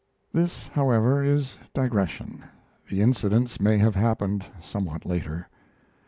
This, however, is digression; the incidents may have happened somewhat later.